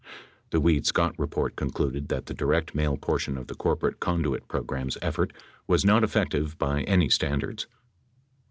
The Weed Scott report concluded that "the direct mail portion of the corporate conduit pro gram's effort was not effective by any standards."